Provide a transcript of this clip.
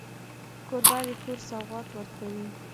کوربه د کور سوغات ورکوي.